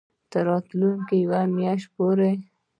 تر راتلونکې یوې میاشتې پورې